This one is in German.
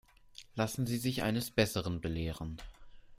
Lassen Sie sich eines Besseren belehren.